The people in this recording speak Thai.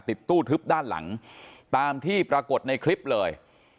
ตู้ทึบด้านหลังตามที่ปรากฏในคลิปเลย